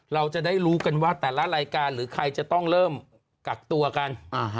เราจะได้รู้กันว่าแต่ละรายการหรือใครจะต้องเริ่มกักตัวกัน